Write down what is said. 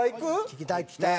聞きたい聞きたい。